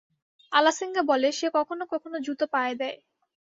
আলাসিঙ্গা বলে, সে কখনও কখনও জুতো পায়ে দেয়।